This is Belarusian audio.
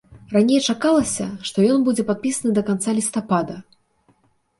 Раней чакалася, што ён будзе падпісаны да канца лістапада.